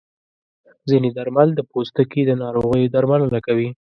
ځینې درمل د پوستکي د ناروغیو درملنه کوي.